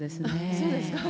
そうですか。